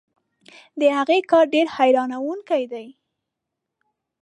د هغې کار ډېر حیرانوونکی دی.